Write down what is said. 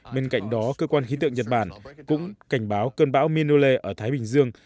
bên cạnh đó cơ quan khí tượng nhật bản cũng cảnh báo cơn bão minole ở thái bình dương